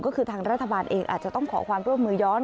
ก็คือทางรัฐบาลเองอาจจะต้องขอความร่วมมือย้อน